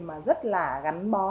mà rất là gắn bó